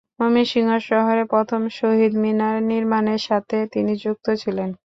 ময়মনসিংহ শহরে প্রথম শহীদ মিনার নির্মাণের সাথে তিনি যুক্ত ছিলেন।